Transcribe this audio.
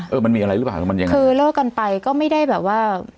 เออมันมีอะไรหรือเปล่าแล้วมันยังไงคือเลิกกันไปก็ไม่ได้แบบว่า